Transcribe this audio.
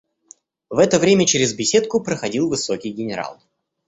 В это время через беседку проходил высокий генерал.